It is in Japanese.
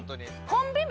コンビ名？